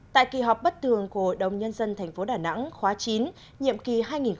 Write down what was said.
tại kỳ họp bất thường của hội đồng nhân dân tp đà nẵng khóa chín nhiệm kỳ hai nghìn một mươi sáu hai nghìn hai mươi một